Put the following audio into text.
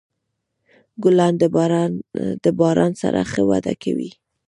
ګلان د باران سره ښه وده کوي.